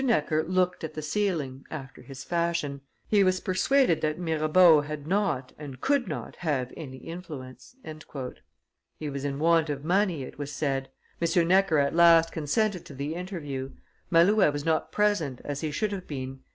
Necker looked at the ceiling after his fashion; he was persuaded that Mirabeau had not and could not have any influence." He was in want of money, it was said. M. Necker at last consented to the interview. Malouet was not present as he should have been.